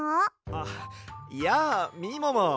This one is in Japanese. あっやあみもも。